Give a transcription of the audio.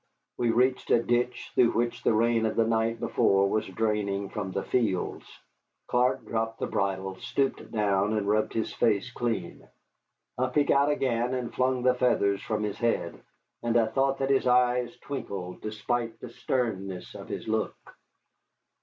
We reached a ditch through which the rain of the night before was draining from the fields Clark dropped the bridle, stooped down, and rubbed his face clean. Up he got again and flung the feathers from his head, and I thought that his eyes twinkled despite the sternness of his look.